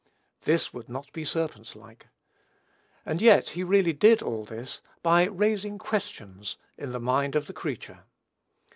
This would not be serpent like; and, yet, he really did all this, by raising questions in the mind of the creature.